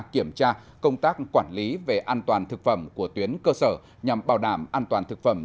kiểm tra công tác quản lý về an toàn thực phẩm của tuyến cơ sở nhằm bảo đảm an toàn thực phẩm